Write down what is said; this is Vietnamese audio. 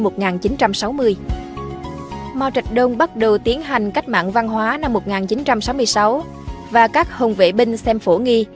mao trạch đông bắt đầu tiến hành cách mạng văn hóa năm một nghìn chín trăm sáu mươi sáu và các hồng vệ binh xem phổ nghi